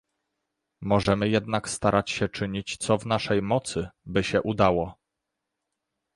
Możemy jednak starać się czynić, co w naszej mocy, by się udało